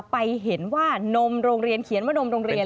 ไปเห็นว่านมโรงเรียนเขียนว่านมโรงเรียน